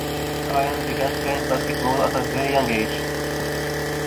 Ryan began playing basketball at a very young age.